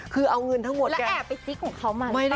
คือเอาเงินทั้งหมดแล้วแอบไปจิ๊กของเขามาหรือเปล่า